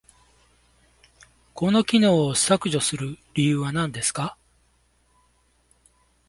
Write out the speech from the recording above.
この機能を削除する理由は何ですか？